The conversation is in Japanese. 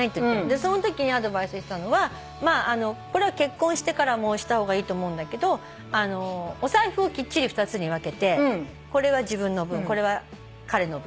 そのときにアドバイスしたのはこれは結婚してからもした方がいいと思うんだけどお財布をきっちり２つに分けてこれは自分の分これは彼の分。